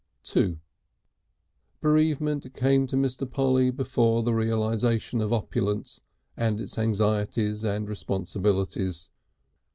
II Bereavement came to Mr. Polly before the realisation of opulence and its anxieties and responsibilities.